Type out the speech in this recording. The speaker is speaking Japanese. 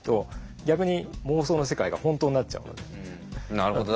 なるほど。